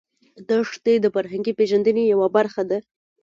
دښتې د فرهنګي پیژندنې یوه برخه ده.